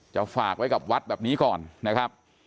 ฝากไว้กับวัดแบบนี้ก่อนนะครับ